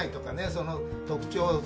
その特徴。